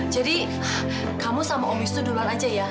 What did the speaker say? jadi kamu sama om wisnu duluan aja ya